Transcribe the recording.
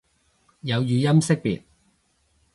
有語音識別